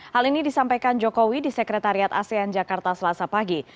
hal ini disampaikan jokowi di sekretariat asean jakarta selasa pagi